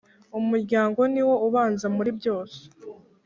umuryango niwo ubanza muri byose